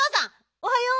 おはよう。